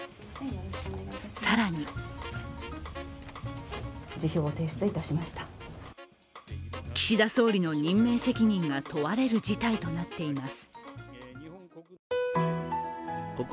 更に岸田総理の任命責任が問われる事態となっています。